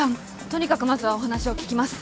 とにかくまずはお話を聞きます。